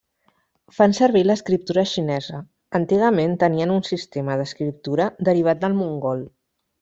Fan servir l'escriptura xinesa, antigament tenien un sistema d'escriptura derivat del mongol.